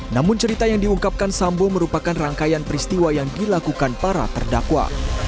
namun cerita yang diungkapkan sambo merupakan rangkaian peristiwa yang dilakukan para terdakwa